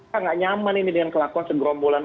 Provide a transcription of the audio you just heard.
kita nggak nyaman ini dengan kelakuan segerombolan